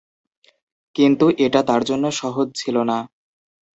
কিন্তু এটা তাঁর জন্য সহজ ছিলনা।